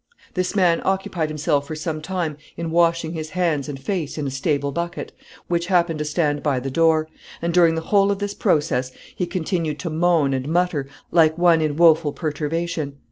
This man occupied himself for sometime in washing his hands and face in a stable bucket, which happened to stand by the door; and, during the whole of this process, he continued to moan and mutter, like one in woeful perturbation.